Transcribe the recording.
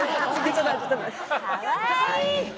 かわいいか！